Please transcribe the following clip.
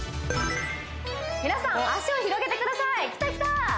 皆さん脚を広げてくださいきたきた！